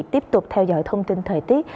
tiếp tục theo dõi thông tin thời tiết